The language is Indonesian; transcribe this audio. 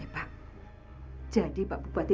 pak jadi pak bupati